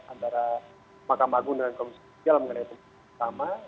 antara mahkamah agung dan komisi judisial mengenai perang bersama